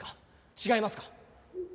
違いますか？